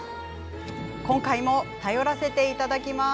今回も頼らせていただきます。